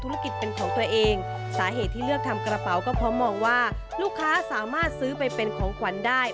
ลูกค้าสามารถซื้อไปเป็นของขวัญได้